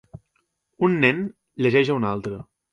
Un nen llegeix a un altre